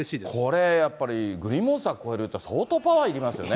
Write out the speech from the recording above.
これやっぱり、グリーンモンスター越えるっていうのは、相当パワーいりますよね。